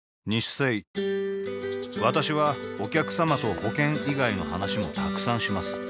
私はお客様と保険以外の話もたくさんします